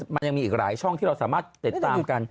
มันยังมีอีกหลายช่องที่เราสามารถติดตามกัน